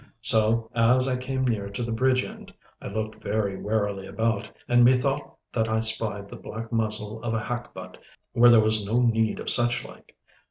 So as I came near to the bridge end, I looked very warily about, and methought that I spied the black muzzle of a hackbutt, where there was no need of such like.